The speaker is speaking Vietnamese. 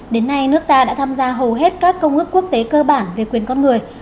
đến nay nước ta đã tham gia hầu hết các công ước quốc tế cơ bản về quyền con người